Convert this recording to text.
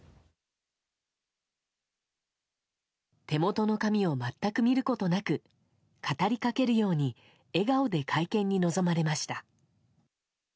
手元の紙を全く見ることなく語り掛けるように笑顔で会見に臨まれました。